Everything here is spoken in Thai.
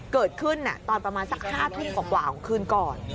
เกิดขึ้นประมาณสัก๕ทุนกว่าหลังคืนก่อน